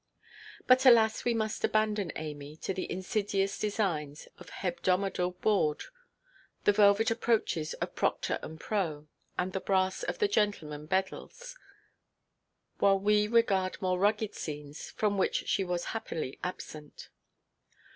But alas, we must abandon Amy to the insidious designs of Hebdomadal Board, the velvet approaches of Proctor and Pro, and the brass of the gentlemen Bedels, while we regard more rugged scenes, from which she was happily absent.